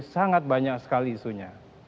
sangat banyak sekali isunya